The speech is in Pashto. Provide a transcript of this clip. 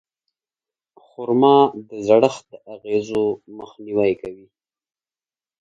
خرما د زړښت د اغېزو مخنیوی کوي.